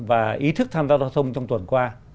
và ý thức tham gia giao thông trong tuần qua